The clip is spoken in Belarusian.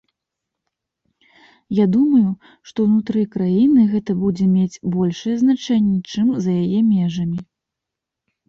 Я думаю, што ўнутры краіны гэта будзе мець большае значэнне, чым за яе межамі.